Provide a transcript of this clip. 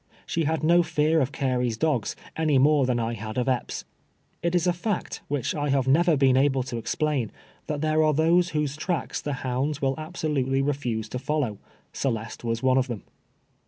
She had no fear of Carey's do<i:s, any more than I liad of Ep])s'. It is a fact, wliich I have never been able to exjdain, that there are those whose tracks the hounds will absolutely refuse to follow. Celeste was one of them.